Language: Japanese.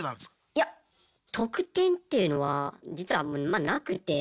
いや特典っていうのは実はあんまなくて。